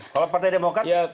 kalau partai demokrat